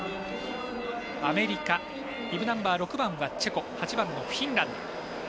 アメリカビブナンバー６番はチェコ、８番のフィンランド。